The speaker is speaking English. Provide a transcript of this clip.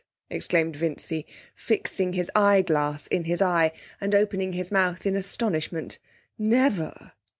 exclaimed Vincy, fixing his eyeglass in his eye, and opening his mouth in astonishment. 'Never!